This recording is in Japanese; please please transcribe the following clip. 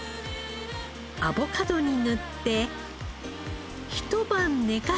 アボカドに塗ってひと晩寝かせれば。